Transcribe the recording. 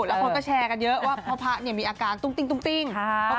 แล้วพวกก็แชร์กันเยอะว่าเพราะพระนี่มีอาการตรุ้งตริ้ง